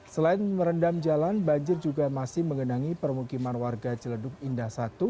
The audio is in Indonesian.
selain merendam jalan banjir juga masih mengenangi permukiman warga celeduk indah satu